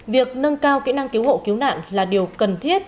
việc nâng cao kỹ năng cứu hộ cứu nạn là điều cần thiết